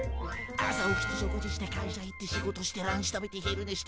「朝起きて食事して会社行って仕事してランチ食べて昼寝して」